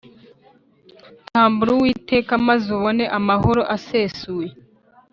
tambura uwiteka maze ubone amahoro asesuye